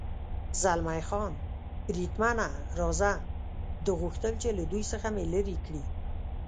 زلمی خان: بریدمنه، راځه، ده غوښتل چې له دوی څخه مې لرې کړي.